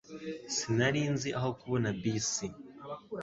Sinari nzi aho kubona bisi